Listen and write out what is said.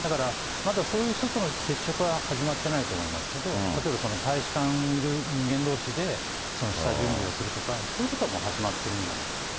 そういう人とはまだ接触は始まってないと思いますけど、例えば大使館にいる人間どうしで、この下準備をするとか、そういうことはもう始まってるんじゃないでしょうか。